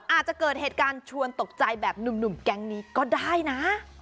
อาจจะเกิดเหตุการณ์ชวนตกใจแบบหนุ่มแก๊งนี้ก็ได้นะ